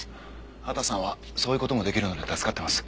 秦さんはそういう事もできるので助かってます。